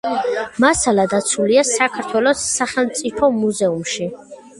მასალა დაცულია საქართველოს სახელმწიფო მუზეუმში.